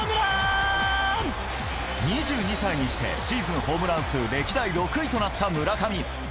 ２２歳にして、シーズンホームラン数歴代６位となった村上。